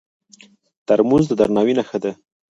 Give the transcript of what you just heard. ترموز د درناوي نښه ده.